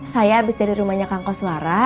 saya abis dari rumahnya kang koswara